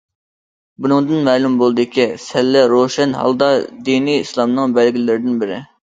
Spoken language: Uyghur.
بۇنىڭدىن مەلۇم بولدىكى، سەللە روشەن ھالدا دىنىي ئىسلامنىڭ بەلگىلىرىدىن بىرى.